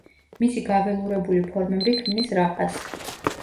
მისი გაველურებული ფორმები ქმნის რაყას.